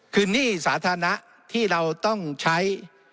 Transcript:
คือหนี้สาธารณะที่เราต้องใช้